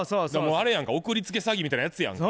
あれやんか送り付け詐欺みたいなやつやんか。